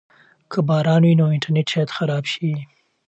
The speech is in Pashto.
که باران وي نو انټرنیټ شاید خراب شي.